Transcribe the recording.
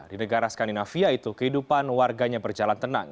di negara skandinavia itu kehidupan warganya berjalan tenang